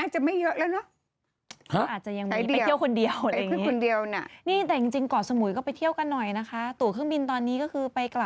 ฉายเดียวน่าจะไม่เยอะแล้วเนอะ